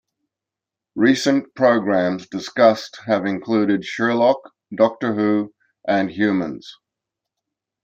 Recent programmes discussed have included "Sherlock", "Doctor Who" and "Humans".